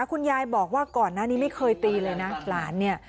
คุณยายบอกว่าก่อนหน้านี้ไม่เคยตีเลยนะหลานเนี่ย